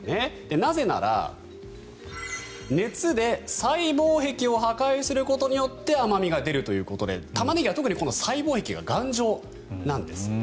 なぜなら、熱で細胞壁を破壊することによって甘味が出るということでタマネギは特にこの細胞壁が頑丈なんですって。